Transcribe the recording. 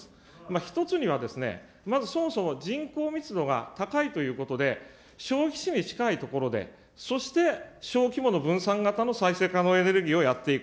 １つには、まずそもそも人口密度が高いということで、消費地に近いということでそして小規模の分散型の再生可能エネルギーをやっていく。